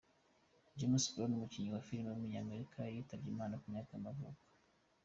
James Brown, umukinnyi wa filime w’umunyamerika yitabye Imana, ku myaka y’amavuko.